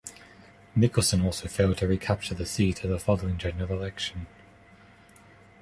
Nicholson also failed to recapture the seat at the following general election.